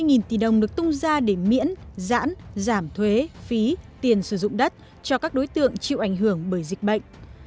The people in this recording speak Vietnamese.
hơn một trăm tám mươi tỷ đồng được tung ra để miễn giãn giảm thuế phí tiền sử dụng đất cho các đối tượng chịu ảnh hưởng bởi dịch bệnh